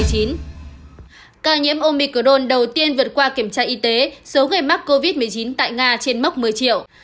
ca nhiễm omicron đầu tiên vượt qua kiểm tra y tế số người mắc covid một mươi chín tại nga trên mốc một mươi triệu